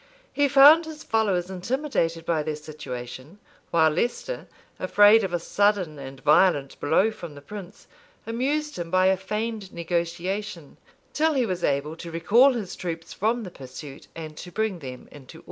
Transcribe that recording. [] He found his followers intimidated by their situation, while Leicester, afraid of a sudden and violent blow from the prince, amused him by a feigned negotiation, till he was able to recall his troops from the pursuit, and to bring them into order.